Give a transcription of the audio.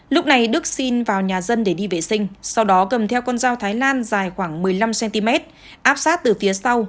lúc này đức xin vào nhà dân để đi vệ sinh sau đó cầm theo con dao thái lan dài khoảng một mươi năm cm áp sát từ phía sau